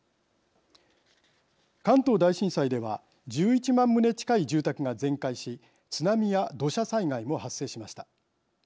関東大震災では１１万棟近い住宅が全壊し津波や土砂災害も発生しました。